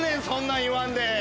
そんなん言わんで！